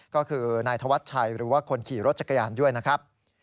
ก็คือนายธวัชชัยหรือว่าคนขี่รถจักรยานด้วยนะครับ